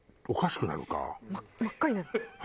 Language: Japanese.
真っ赤になる。